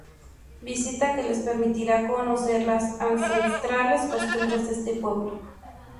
Visita que les permitirá conocer las ancestrales costumbres de este pueblo.